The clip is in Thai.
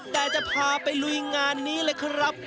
แต่จะพาไปลุยงานนี้เลยครับ